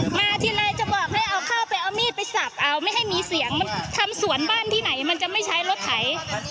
มาทีไรจะบอกให้เอาข้าวไปเอามีดไปสับเอาไม่ให้มีเสียงมันทำสวนบ้านที่ไหนมันจะไม่ใช้รถไถ